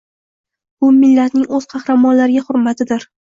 Bu millatning o‘z qahramonlariga hurmatidir.